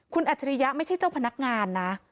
คุณอัจฉริยะไม่ใช่เจ้าพนักงานนะ